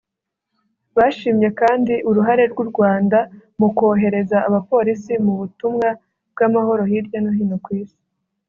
Bashimye kandi uruhare rw’u Rwanda mu kohereza abapolisi mu butumwa bw’amahoro hirya no hino ku Isi